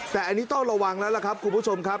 แต่อันนี้ต้องระวังแล้วล่ะครับคุณผู้ชมครับ